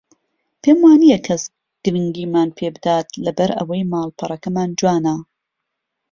پێم وانییە کەس گرنگیمان پێ بدات لەبەر ئەوەی ماڵپەڕەکەمان جوانە